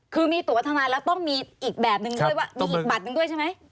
คือมีตัวทนายแล้วต้องมีอีกแบบนึงด้วยว่ามีอีกบัตรหนึ่งด้วยใช่ไหม